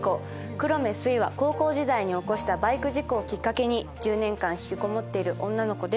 黒目すいは高校時代に起こしたバイク事故をきっかけに１０年間引きこもっている女の子です。